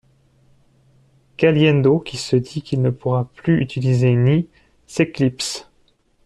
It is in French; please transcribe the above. Caliendo, qui se dit qu'il ne pourra plus utiliser Nii, s'éclipse.